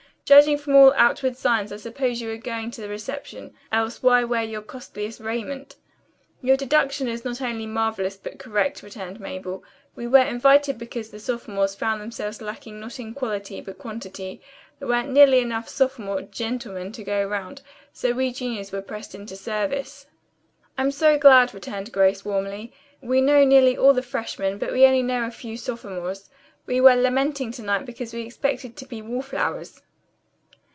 "Judging from all outward signs I suppose you are going to the reception, else why wear your costliest raiment?" "Your deduction is not only marvelous but correct," returned Mabel. "We were invited because the sophomores found themselves lacking not in quality, but quantity. There weren't nearly enough sophomore 'gentlemen' to go round, so we juniors were pressed into service. "I'm so glad," returned Grace warmly. "We know nearly all the freshmen, but we know only a few sophomores. We were lamenting to night because we expected to be wall flowers."